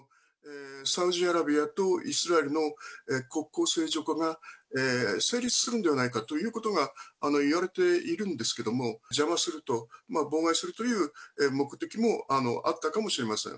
サウジアラビアとイスラエルの国交正常化が成立するんではないかということがいわれているんですけれども、邪魔すると、妨害するという目的もあったかもしれません。